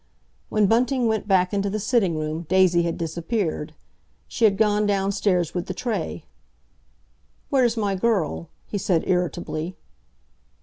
When Bunting went back into the sitting room Daisy had disappeared. She had gone downstairs with the tray. "Where's my girl?" he said irritably.